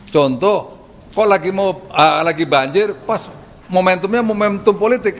contoh kok lagi banjir pas momentumnya momentum politik